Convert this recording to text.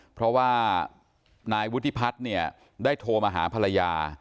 เพราะว่านายวุฒิพัฒน์เนี่ยได้โทรมาหาภรรยา